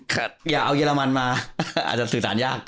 อย่าเอาเยอรมันมาอาจจะสื่อสารยาก